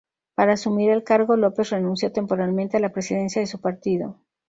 Para asumir el cargo López renunció temporalmente a la presidencia de su partido.